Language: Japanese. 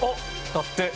だって。